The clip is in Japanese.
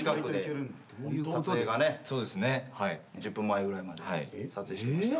１０分前ぐらいまで撮影してました。